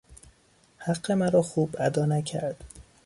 حق مرا خوب ادا نکرد.